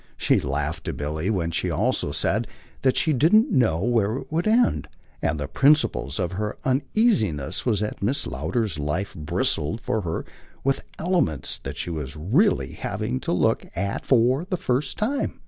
She laughed to Milly when she also said that she didn't know where it would end; and the principle of her uneasiness was that Mrs. Lowder's life bristled for her with elements that she was really having to look at for the first time.